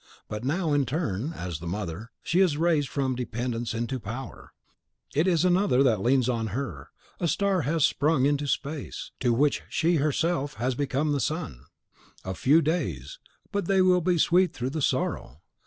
But now, in turn, as the mother, she is raised from dependence into power; it is another that leans on her, a star has sprung into space, to which she herself has become the sun! A few days, but they will be sweet through the sorrow!